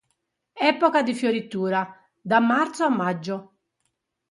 Epoca di fioritura: da marzo a maggio.